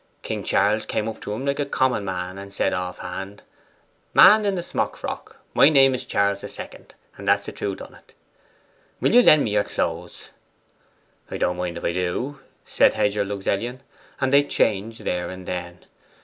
King Charles came up to him like a common man, and said off hand, "Man in the smock frock, my name is Charles the Second, and that's the truth on't. Will you lend me your clothes?" "I don't mind if I do," said Hedger Luxellian; and they changed there and then.